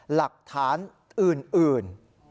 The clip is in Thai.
หลักฐานอื่น